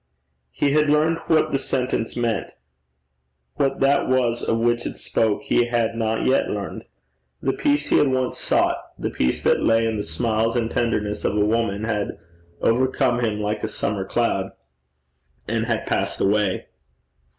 He had learned what the sentence meant; what that was of which it spoke he had not yet learned. The peace he had once sought, the peace that lay in the smiles and tenderness of a woman, had 'overcome him like a summer cloud,' and had passed away.